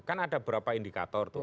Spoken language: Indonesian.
kan ada beberapa indikator tuh